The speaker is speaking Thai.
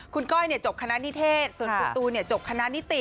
คุณก้อยจบคณะนิเทศส่วนคุณตูนจบคณะนิติ